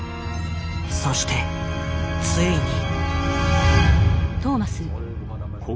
そしてついに。